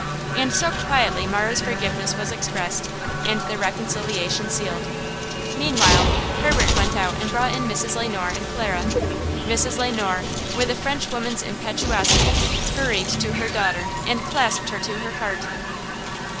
And so quietly Marah's forgiveness was expressed, and the reconciliation sealed. Meanwhile Herbert went out and brought in Mrs. Le Noir and Clara. Mrs. Le Noir, with a Frenchwoman's impetuosity, hurried to her daughter and clasped her to her heart.